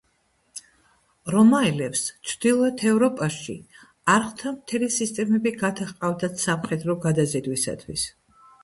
რომაელებს ჩრდილოეთ ევროპაში არხთა მთელი სისტემები გადაჰყავდათ სამხედრო გადაზიდვისათვის.